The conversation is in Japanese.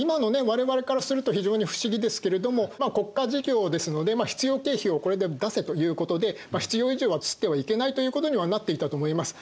我々からすると非常に不思議ですけれども国家事業ですので必要経費をこれで出せということで必要以上は刷ってはいけないということにはなっていたと思います。